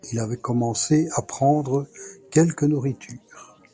Il avait commencé à prendre quelque nourriture.